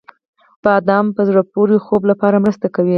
• بادام د په زړه پورې خوب لپاره مرسته کوي.